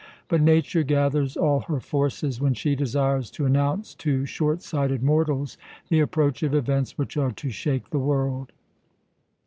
But Nature gathers all her forces when she desires to announce to short sighted mortals the approach of events which are to shake the world.